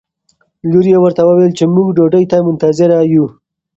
لور یې ورته وویل چې موږ ډوډۍ ته منتظره یو.